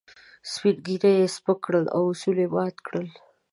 سپين ږيري يې سپک کړل او اصول يې مات کړل.